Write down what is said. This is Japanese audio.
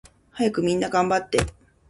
はやくみんながんばって